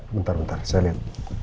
bentar bentar saya lihat